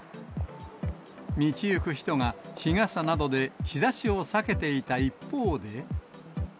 道行く人が日傘などで日ざしを避けていた一方で。